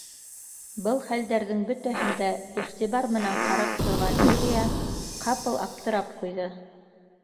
Был хәлдәрҙең бөтәһен дә иғтибар менән ҡарап торған Юлия ҡапыл аптырап ҡуйҙы.